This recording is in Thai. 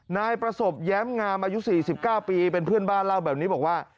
นายประสบแย้มงามอายุ๔๙ปีเป็นเพื่อนบ้านเล่าแบบนี้บอกว่า